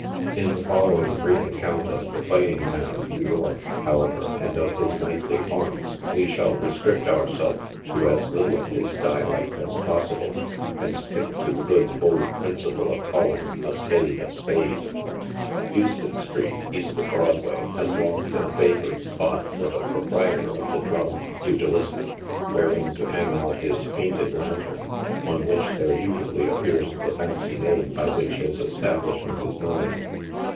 In the fol lowing brief account of the fighting man of New York, however, and of his nightly haunts, we shall restrict ourself to as little of M3 dialect as possible, and stick to the good old principle of calling a spade a spade. Houston street, east of Broadway, has long been a favored spot for the proprietor of the " drum" pugilistic, wherein to hang out his painted lantern, on which there usually appears the fancy name by which his establishment is known.